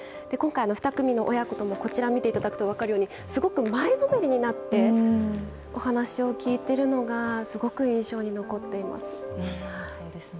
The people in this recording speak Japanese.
今回、２組の親子とも、こちら見ていただくと分かるように、すごく前のめりになってお話を聞いてるのが、すごく印象に残っています。